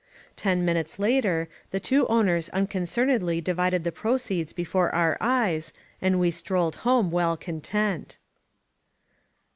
Ten minutes later the two owners unconcernedly di vided the proceeds before our eyes, and we strolled home well content.